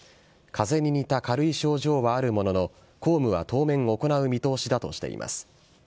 かぜに似た軽い症状はあるものの、公務は当面行う見通しだとしています。